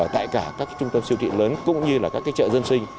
tại cả các cái trung tâm siêu thị lớn cũng như là các cái chợ dân sinh